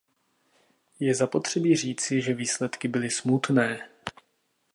Je zapotřebí říci, že výsledky byly smutné.